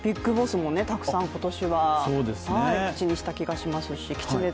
ＢＩＧＢＯＳＳもたくさん今年は口にした気がしますしきつね